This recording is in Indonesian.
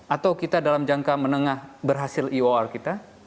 atau kita dalam jangka menengah berhasil ior kita